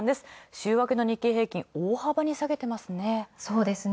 週明けの日経平均、大幅に下げてますね。